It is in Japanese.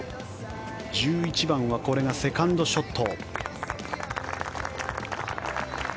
１１番はこれがセカンドショット。